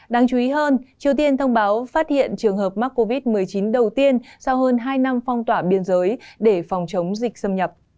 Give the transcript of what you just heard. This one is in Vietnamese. đáng chú ý hơn triều tiên thông báo phát hiện trường hợp mắc covid một mươi chín đầu tiên sau hơn hai năm phong tỏa biên giới để phòng chống dịch xâm nhập